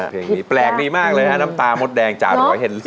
เพลงนี้แปลกดีมากเลยน้ำตาหมดแดงจากหลวยเฮนรี่